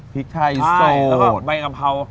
พริกไช่สดแล้วก็แบบใบกะเพรา